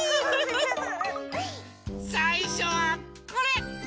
さいしょはこれ！